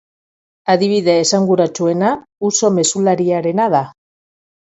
Adibide esanguratsuena uso mezulariarena da.